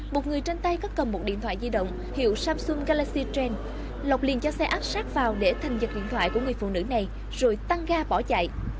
một người trên tay có cầm một điện thoại di động hiệu samsung galaxy trend lọc liền cho xe áp sát vào để thành dật điện thoại của người phụ nữ này rồi tăng ga bỏ chạy